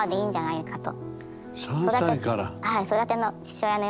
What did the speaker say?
はい。